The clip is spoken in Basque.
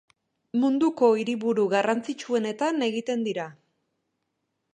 Munduko hiriburu garrantzitsuenetan egiten dira.